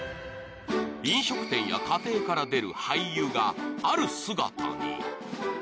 飲食店や家庭から出る廃油がある姿に。